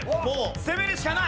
攻めるしかない！